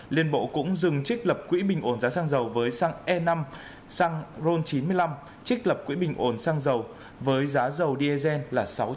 liên bộ cũng dừng trích lập quỹ bình ổn giá xăng dầu với xăng e năm xăng ron chín mươi năm trích lập quỹ bình ổn xăng dầu với giá dầu dsn là sáu trăm linh đồng một lít